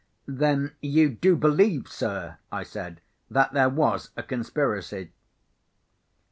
"Then you do believe, sir," I said, "that there was a conspiracy?"